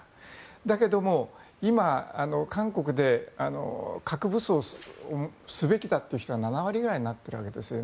だけども今、韓国で核武装すべきだという人が７割ぐらいになっているわけです